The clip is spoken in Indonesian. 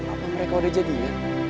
apa mereka udah jadiin